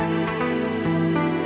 ada yang lewat lagi